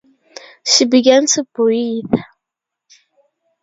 She began to breathe.